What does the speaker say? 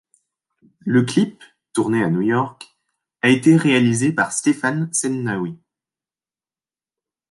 Le clip, tourné à New York, a été réalisé par Stéphane Sednaoui.